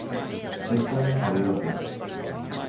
Ves-te'n a Liorna.